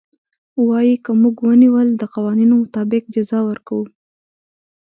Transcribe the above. وايي که موږ ونيول د قوانينو مطابق جزا ورکوو.